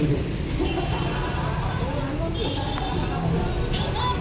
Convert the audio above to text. そうなりますよね。